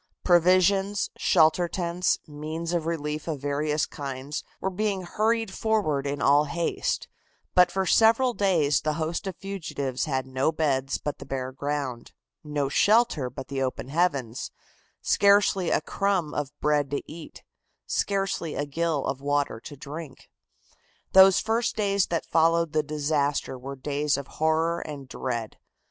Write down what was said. Provisions, shelter tents, means of relief of various kinds were being hurried forward in all haste, but for several days the host of fugitives had no beds but the bare ground, no shelter but the open heavens, scarcely a crumb of bread to eat, scarcely a gill of water to drink. Those first days that followed the disaster were days of horror and dread.